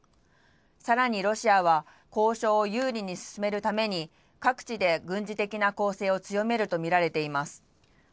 さらにロシアは、交渉を有利に進めるために、各地で軍事的な攻勢を強めると見られています。